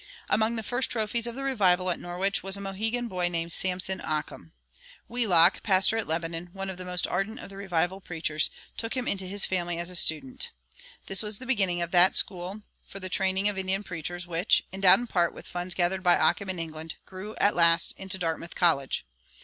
[179:2] Among the first trophies of the revival at Norwich was a Mohegan boy named Samson Occum. Wheelock, pastor at Lebanon, one of the most ardent of the revival preachers, took him into his family as a student. This was the beginning of that school for the training of Indian preachers which, endowed in part with funds gathered by Occum in England, grew at last into Dartmouth College.